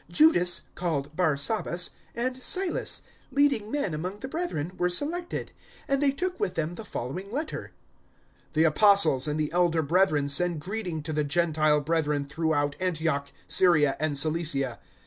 Judas, called Bar sabbas, and Silas, leading men among the brethren, were selected, 015:023 and they took with them the following letter: "The Apostles and the elder brethren send greeting to the Gentile brethren throughout Antioch, Syria and Cilicia.